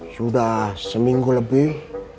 sudah seminggu lebih